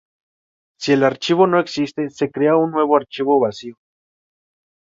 Si el archivo no existe, se crea un nuevo archivo vacío.